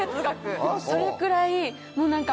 それくらいもう何か。